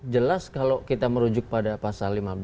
jelas kalau kita merujuk pada pasal lima belas